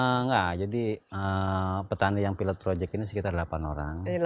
enggak jadi petani yang pilot project ini sekitar delapan orang